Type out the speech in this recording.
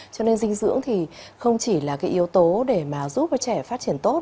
cho nên dinh dưỡng thì không chỉ là yếu tố để giúp trẻ phát triển tốt